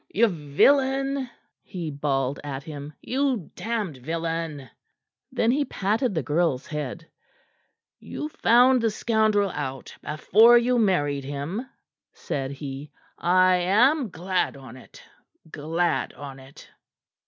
"You villain!" he bawled at him. "You damned villain!" Then he patted the girl's head. "You found the scoundrel out before you married him," said he. "I am glad on't; glad on't!"